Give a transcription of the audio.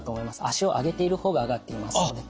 脚を上げている方が上がっていますので。